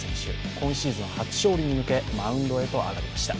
今シーズン初勝利に向けマウンドへと上がりました。